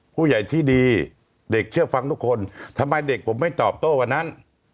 ผู้ใหญ่ที่ดีเด็กเชื่อฟังทุกคนทำไมเด็กผมไม่ตอบโต้วันนั้น